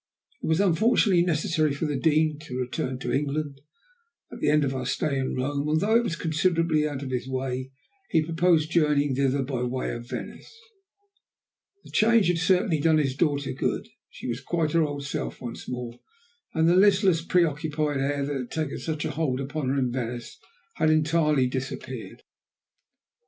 It was unfortunately necessary for the Dean to return to England, at the end of our stay in Rome, and though it was considerably out of his way, he proposed journeying thither by way of Venice. The change had certainly done his daughter good. She was quite her old self once more, and the listless, preoccupied air that had taken such a hold upon her in Venice had entirely disappeared.